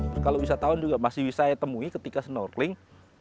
jika wisatawan masih bisa temui ketika snorkeling